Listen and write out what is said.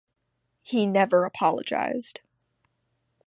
He never apologized.